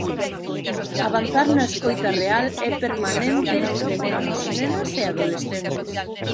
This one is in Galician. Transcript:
Avanzar na escoita real e permanente de nenos, nenas e adolescentes.